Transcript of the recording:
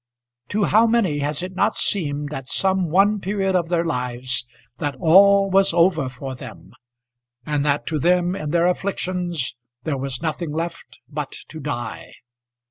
To how many has it not seemed, at some one period of their lives, that all was over for them, and that to them in their afflictions there was nothing left but to die!